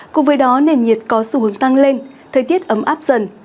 cùng với đó nền nhiệt có xu hướng tăng lên thời tiết ấm áp dần